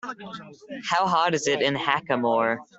How hot is it in Hackamore